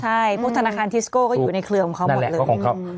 ใช่พวกธนาคารทิสโก้ก็อยู่ในเครือของเขาหมดเลย